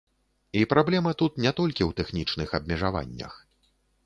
І праблема тут не толькі ў тэхнічных абмежаваннях.